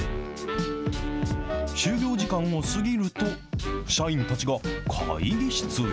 終業時間を過ぎると、社員たちが会議室へ。